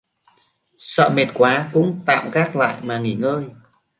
Sợ Mệt quá cũng tạm gác lại mà nghỉ ngơi